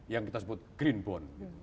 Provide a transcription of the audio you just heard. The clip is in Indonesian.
yang kita sebut green bond